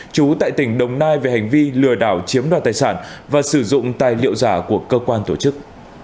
chú tại tỉnh đồng nai về hành vi lừa đảo chiếm đoạt tài sản và sử dụng tài liệu giả của cơ quan tổ chức